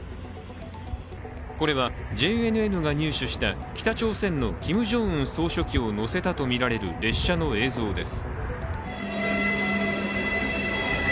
これはＪＮＮが入手した北朝鮮のキム・ジョンウン総書記を乗せたとみられる列車の映像です。